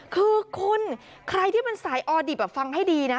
คือคุณคนที่มันสายออดิบอ่ะฟังให้ดีน่ะ